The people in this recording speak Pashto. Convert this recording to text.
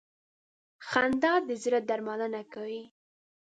• خندا د زړه درملنه کوي.